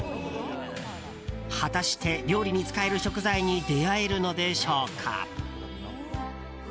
果たして料理に使える食材に出会えるのでしょうか？